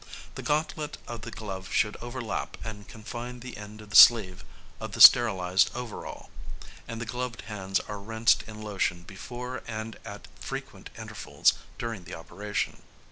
The gauntlet of the glove should overlap and confine the end of the sleeve of the sterilised overall, and the gloved hands are rinsed in lotion before and at frequent intervals during the operation.